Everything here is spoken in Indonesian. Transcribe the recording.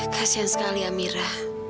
kasian sekali amira